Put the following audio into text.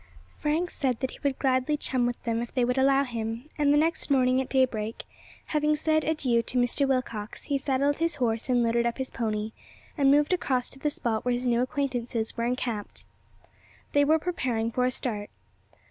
Frank said that he would gladly chum with them if they would allow him, and the next morning, at daybreak, having said adieu to Mr. Willcox, he saddled his horse and loaded up his pony, and moved across to the spot where his new acquaintances were encamped. They were preparing for a start.